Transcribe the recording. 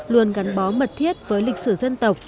luôn gắn bó mật thiết với lịch sử dân tộc